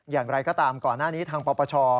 อย่างไรก็ตามก่อนหน้านี้ทางปปช